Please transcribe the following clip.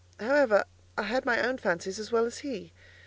However, I had my own fancies as well as he.